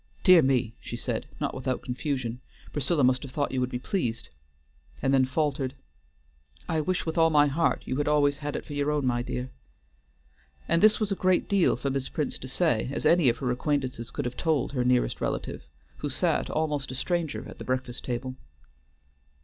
"Dear me," she said, not without confusion, "Priscilla must have thought you would be pleased," and then faltered, "I wish with all my heart you had always had it for your own, my dear." And this was a great deal for Miss Prince to say, as any of her acquaintances could have told her nearest relative, who sat, almost a stranger, at the breakfast table.